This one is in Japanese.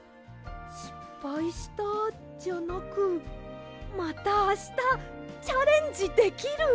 「しっぱいした」じゃなく「またあしたチャレンジできる」！